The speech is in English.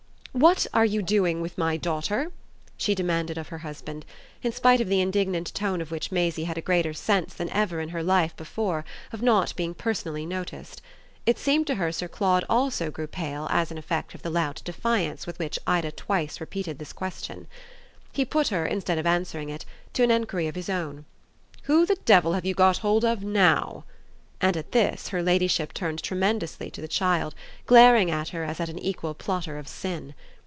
"What are you doing with my daughter?" she demanded of her husband; in spite of the indignant tone of which Maisie had a greater sense than ever in her life before of not being personally noticed. It seemed to her Sir Claude also grew pale as an effect of the loud defiance with which Ida twice repeated this question. He put her, instead of answering it, an enquiry of his own: "Who the devil have you got hold of NOW?" and at this her ladyship turned tremendously to the child, glaring at her as at an equal plotter of sin.